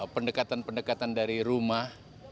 pendekatan pendekatan dari rumah